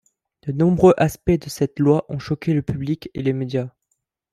De nombreux aspects de cette loi ont choqué le public et les médias.